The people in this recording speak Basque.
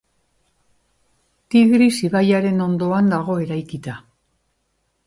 Tigris ibaiaren ondoan dago eraikita.